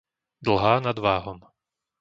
Dlhá nad Váhom